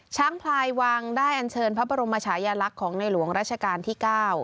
พลายวังได้อันเชิญพระบรมชายลักษณ์ของในหลวงราชการที่๙